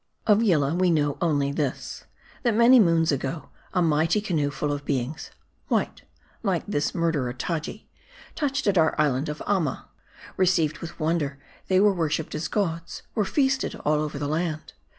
" Of YilLah, we know only this : that many moons ago, a mighty oanoe, full of beings, white, like this murderer Taji, touched at our island of Amma. Received with won der, they were worshiped as gods ; were feasted all over the land.